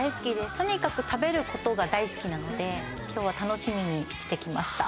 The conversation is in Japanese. とにかく食べる事が大好きなので今日は楽しみにしてきました。